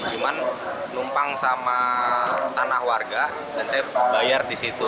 cuma numpang sama tanah warga dan saya bayar di situ